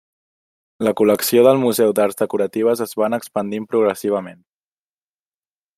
La col·lecció del Museu d'Arts decoratives es va anar expandint progressivament.